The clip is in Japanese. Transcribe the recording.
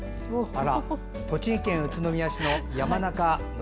栃木県宇都宮市の山中式